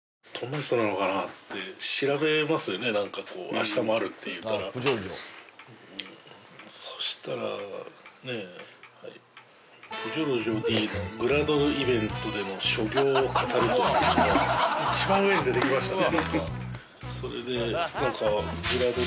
明日もあるっていうから「プジョルジョＤのグラドルイベントでの所業を語る」というのが一番上に出てきましたね